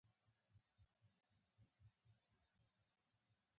کانت ګریفي خپله سل نمرې پوره کړې.